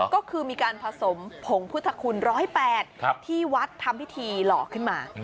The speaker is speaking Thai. ก็คือมีการผสมผงพุทธคุณ๑๐๘ที่วัดทำพิธีหลอกขึ้นมา